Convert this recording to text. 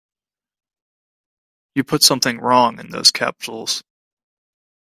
You put something wrong in those capsules.